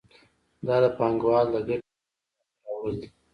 دا د پانګوال د ګټې د بیې لاس ته راوړل دي